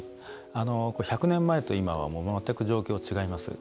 １００年前と今はもう全く状況が違います。